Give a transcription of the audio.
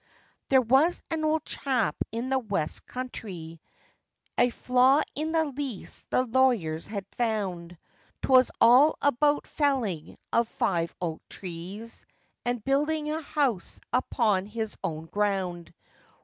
] THERE was an old chap in the west country, A flaw in the lease the lawyers had found, 'Twas all about felling of five oak trees, And building a house upon his own ground.